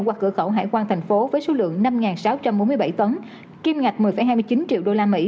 qua cửa khẩu hải quan thành phố với số lượng năm sáu trăm bốn mươi bảy tấn kim ngạch một mươi hai mươi chín triệu usd